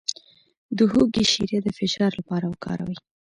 د هوږې شیره د فشار لپاره وکاروئ